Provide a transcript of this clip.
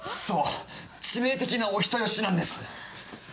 そう致命的なお人よしなんです。